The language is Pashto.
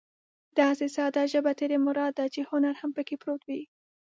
داسې ساده ژبه ترې مراد ده چې هنر هم پکې پروت وي.